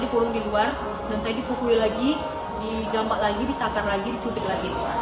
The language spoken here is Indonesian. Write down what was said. dikurung di luar dan saya dipukul lagi di jambak lagi dicakar lagi dicutip lagi